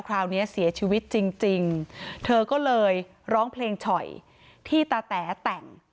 คราวนี้เสียชีวิตจริงจริงเธอก็เลยร้องเพลงฉ่อยที่ตาแต๋แต่ง